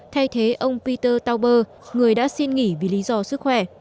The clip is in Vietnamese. thay thế ông peter tauber người đã xin nghỉ vì lý do sức khỏe